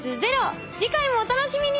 次回もお楽しみに！